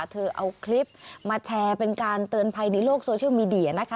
เธอเอาคลิปมาแชร์เป็นการเตือนภัยในโลกโซเชียลมีเดียนะคะ